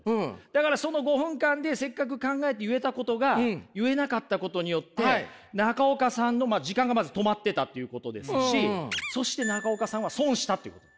だからその５分間でせっかく考えて言えたことが言えなかったことによって中岡さんの時間がまず止まってたっていうことですしそして中岡さんは損したということ。